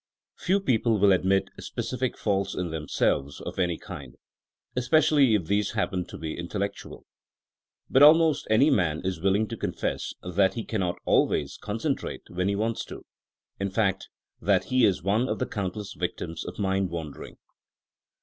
Few people will admit specific faults in them selves of any kind, especially if these happen to be inteUectuaL But almost any man is will ing to confess that he cannot always concen trate*' when he wants to, in fact, that he is one of the countless victims of mind wandering.''